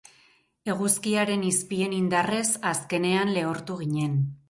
Eguzkiaren izpien indarrez, azkenean, lehortu ginen.